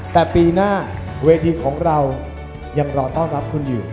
แต่ปีหน้าเวทีของเรายังรอต้อนรับคุณอยู่